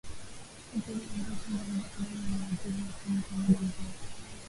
Upele wa ngozi unaweza kubeba maambukizi ya pumu kwa muda mrefu